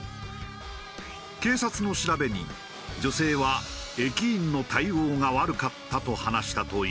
警察の調べに女性は「駅員の対応が悪かった」と話したという。